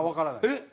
えっ！